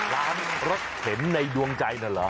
ร้านรถเข็นในดวงใจนั่นเหรอ